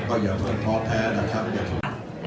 ขอบคุณครับ